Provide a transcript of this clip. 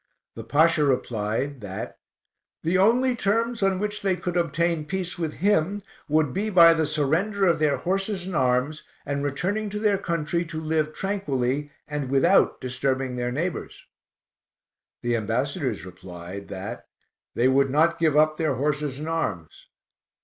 The Pasha replied, that "the only terms on which they could obtain peace with him, would be by the surrender of their horses and arms, and returning to their country to live tranquilly, and without disturbing their neighbors." The ambassadors replied, that "they would not give up their horses and arms."